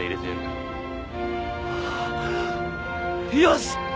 よし！